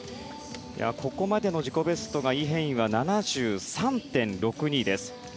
ここまでの自己ベストがイ・ヘインは７３．６２です。